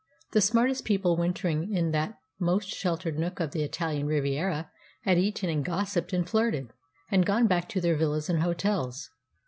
The smartest people wintering in that most sheltered nook of the Italian Riviera had eaten and gossiped and flirted, and gone back to their villas and hotels.